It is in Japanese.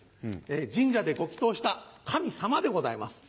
神社でご祈祷した「紙様」でございます。